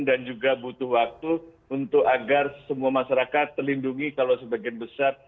juga butuh waktu untuk agar semua masyarakat terlindungi kalau sebagian besar